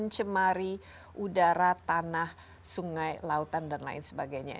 mencemari udara tanah sungai lautan dan lain sebagainya